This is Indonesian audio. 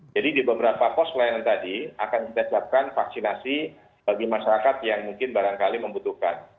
jadi di beberapa pos pelayanan tadi akan kita siapkan vaksinasi bagi masyarakat yang mungkin barangkali membutuhkan